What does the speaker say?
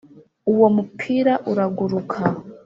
uwo, mupira uraguruka,